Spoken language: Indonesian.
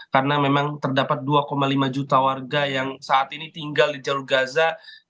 karena memang terdapat dua lima juta warga yang saat ini tinggal di jalur gaza